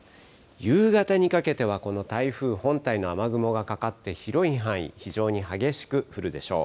夕方にかけてはこの台風本体の雨雲がかかって広い範囲、非常に激しく降るでしょう。